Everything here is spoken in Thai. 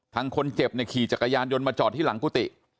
ทางคนเจ็บเนี่ยขี่จักรยานยนต์มาจอดที่หลังกุฏิ